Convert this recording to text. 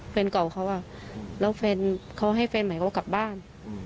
แฟนเก่าเค้าอะแล้วเค้าให้แฟนใหม่ว่ากลับบ้าน